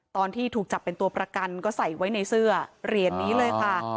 ตอนที่ถูกจับเป็นตัวประกันก็ใส่ไว้ในเสื้อเหรียญนี้เลยค่ะ